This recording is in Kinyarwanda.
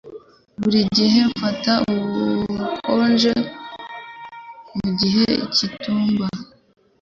Buri gihe mfata ubukonje mu gihe cy'itumba.